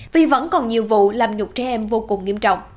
vì vẫn còn nhiều vụ làm nhục trẻ em vô cùng nghiêm trọng